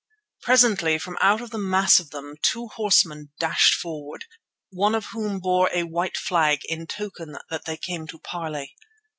Presently from out of the mass of them two horsemen dashed forward, one of whom bore a white flag in token that they came to parley.